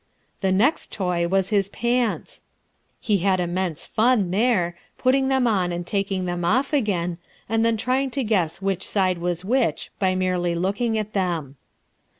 The next toy was his pants. He had immense fun there, putting them on and taking them off again, and then trying to guess which side was which by merely looking at them.